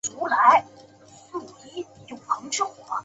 太史第更另外在广州市郊自设农场生产花果荔枝等等。